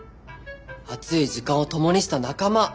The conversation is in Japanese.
熱い時間を共にした仲間！